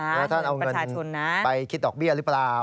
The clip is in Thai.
แล้วท่านเอาเงินไปคิดดอกเบี้ยหรือเปล่า